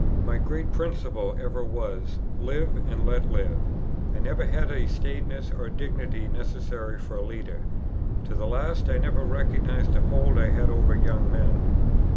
My great principle ever was, Live and let live. I never had the staidness or dignity necessary for a leader. To the last I never recognized the hold I had over young men.